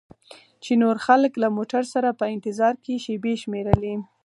چې نور خلک له موټر سره په انتظار کې شیبې شمیرلې.